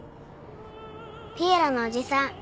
ピエロのおじさん。